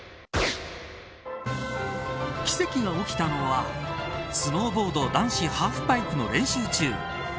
奇跡が起きたのはスノーボード男子ハーフパイプの練習中。